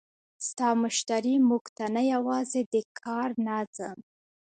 ستا مشري موږ ته نه یوازې د کار نظم،